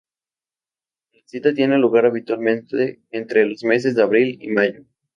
La cita tiene lugar habitualmente entre los meses de abril y mayo.